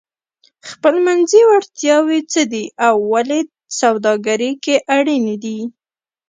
خپلمنځي وړتیاوې څه دي او ولې سوداګري کې اړینې دي؟